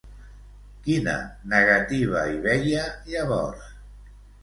Quina negativa hi veia, llavors?